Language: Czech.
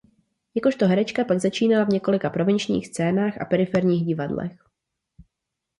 Jakožto herečka pak začínala v několika provinčních scénách a periferních divadlech.